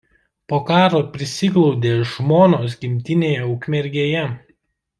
Po karo prisiglaudė žmonos gimtinėje Ukmergėje.